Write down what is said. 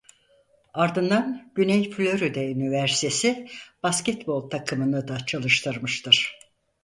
Ardından Güney Florida Üniversitesi basketbol takımını da çalıştırmıştır.